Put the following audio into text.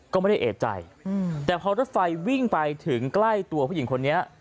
ก็ไม่ได้เอกใจแต่พอรถไฟวิ่งไปถึงใกล้ตัวผู้หญิงคนนี้